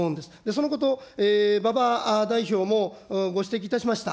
そのこと、ばば代表もご指摘いたしました。